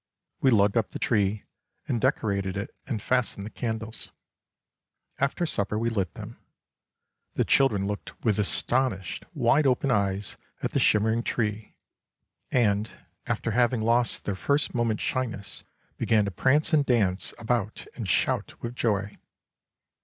17 We lugged up the tree, and decorated it and fastened the candles. After supper we lit them. The children looked with astonished, wide open eyes at the shimmering tree, and after having lost their first moment's slyness began to prance and dance about and shout with joy.